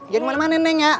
jangan mau nemenin neng ya